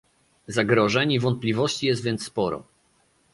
Zagrożeń i wątpliwości jest więc sporo